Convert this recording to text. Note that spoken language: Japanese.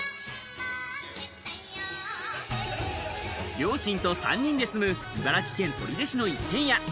両親と３人で住む、茨城県取手市の１軒家。